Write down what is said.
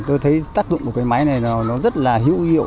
tôi thấy tác dụng của cái máy này là nó rất là hữu hiệu